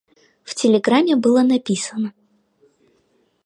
В телеграмме было написано: